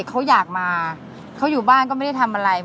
เขาอยู่บ้านก็ไม่ได้ทำอะไร